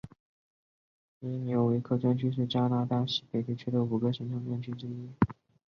因纽维克专区是加拿大西北地区五个行政专区之一。